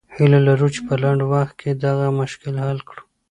هیله لرو چې په لنډ وخت کې دغه مشکل حل کړو.